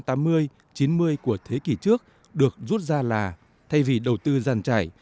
trong năm chín mươi của thế kỷ trước được rút ra là thay vì đầu tư giàn trải